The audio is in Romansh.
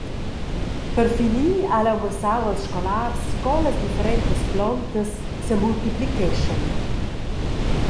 Per finir ha el aunc mussau als scolars co las differentas plontas semultiplicheschan.